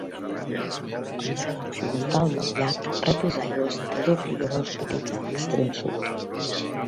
El braç occidental del llac rep les aigües de dos rierols petits en l'extrem sud.